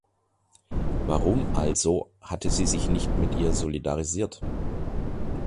Warum also hatte sie sich nicht mit ihr solidarisiert?